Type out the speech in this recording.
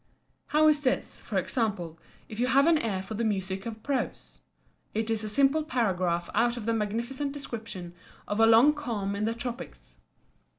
How is this, for example, if you have an ear for the music of prose? It is a simple paragraph out of the magnificent description of a long calm in the tropics.